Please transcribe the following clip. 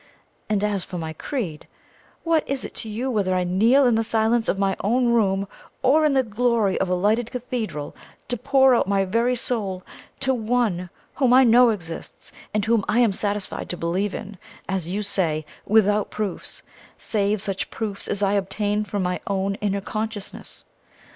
And as for my creed, what is it to you whether I kneel in the silence of my own room or in the glory of a lighted cathedral to pour out my very soul to ONE whom I know exists, and whom I am satisfied to believe in, as you say, without proofs, save such proofs as I obtain from my own inner consciousness?